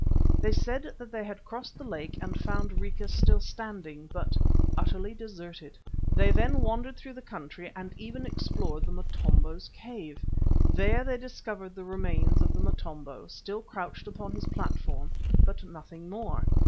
They said that they had crossed the lake and found Rica still standing, but utterly deserted. They then wandered through the country and even explored the Motombo's cave. There they discovered the remains of the Motombo, still crouched upon his platform, but nothing more.